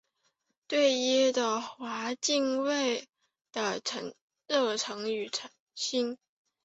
对耶和华敬畏的热诚与忠心。